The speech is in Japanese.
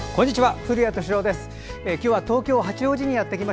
こんにちは。